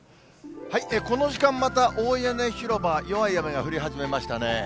この時間、また大屋根広場、弱い雨が降り始めましたね。